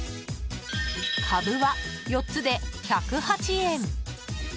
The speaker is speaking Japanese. カブは、４つで１０８円。